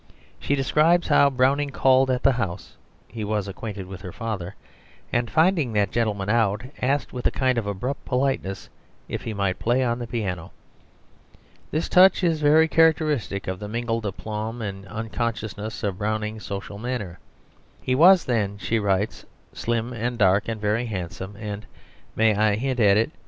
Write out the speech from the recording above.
She describes how Browning called at the house (he was acquainted with her father), and finding that gentleman out, asked with a kind of abrupt politeness if he might play on the piano. This touch is very characteristic of the mingled aplomb and unconsciousness of Browning's social manner. "He was then," she writes, "slim and dark, and very handsome, and may I hint it?